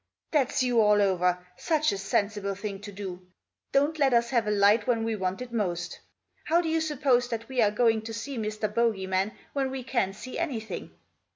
" That's you all over ; such a sensible thing to do. Don't let us have a light when we want it most How do you suppose that we are going to see Mr. Bogey man when we can't see anything